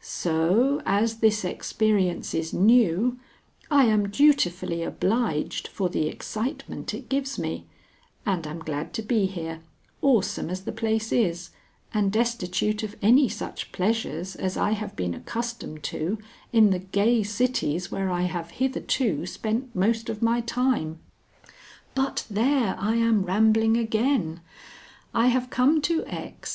So, as this experience is new, I am dutifully obliged for the excitement it gives me, and am glad to be here, awesome as the place is, and destitute of any such pleasures as I have been accustomed to in the gay cities where I have hitherto spent most of my time. But there! I am rambling again. I have come to X.